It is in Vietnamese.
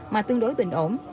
mà tương đối bình ổn